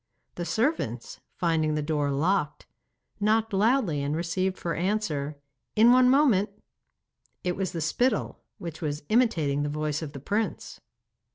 The servants, finding the door locked, knocked loudly and received for answer, 'In one moment.' It was the spittle, which was imitating the voice of the prince.